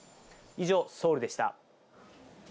以上、ソウルでした。